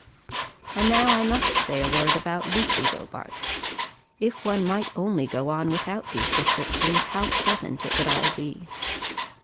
And now I must say a word about Lucy Robarts. If one might only go on without those descriptions, how pleasant it would all be!